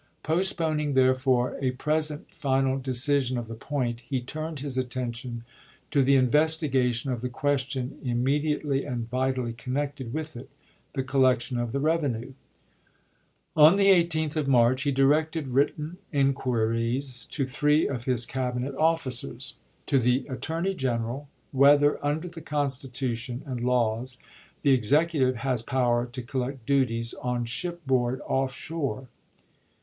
Postpon ing, therefore, a present final decision of the point, he turned his attention to the investigation of the question immediately and vitally connected with it — the collection of the revenue. On the 18th of March he directed written inquiries to three of his Cabinet officers. To the Attorney General, whether under the Constitution and laws the Executive has power to collect duties on shipboard off shore?